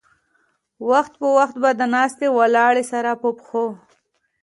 وخت پۀ وخت به د ناستې ولاړې سره پۀ پښو